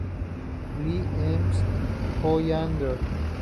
Lee M. Hollander.